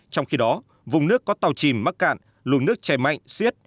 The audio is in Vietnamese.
trong khi đó vùng nước có tàu chìm mắc cạn luồng nước chảy mạnh xiết